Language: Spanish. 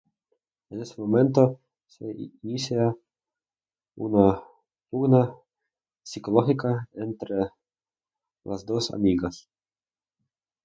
En ese momento se inicia una pugna psicológica entre las dos amigas.